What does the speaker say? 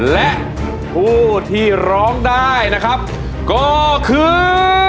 และผู้ที่ร้องได้นะครับก็คือ